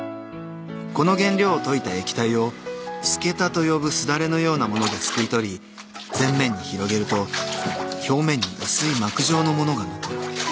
この原料を溶いた液体を簀桁と呼ぶすだれのようなものですくい取り全面に広げると表面に薄い膜状のものが残る。